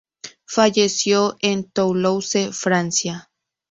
Falleció en Toulouse, Francia.